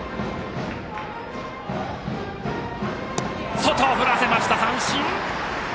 外、振らせました、三振！